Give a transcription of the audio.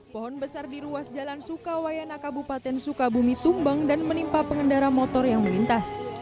pohon besar di ruas jalan sukawaya naka bupaten sukabumi tumbang dan menimpa pengendara motor yang memintas